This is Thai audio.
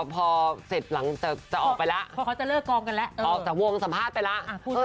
พอเสร็จหลังจะออกไปแล้วออกจากวงสัมภาษณ์ไปแล้ว